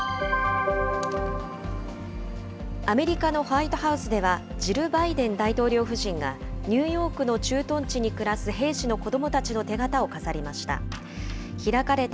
アメリカのホワイトハウスでは、ジル・バイデン大統領夫人が、ニューヨークの駐屯地に暮らす兵士の子どもたちの手形を飾りました。